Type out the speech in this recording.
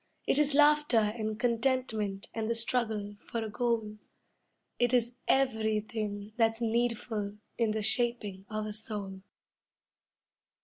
It is laughter and contentment and the struggle for a goal; It is everything that's needful in the shaping of a soul.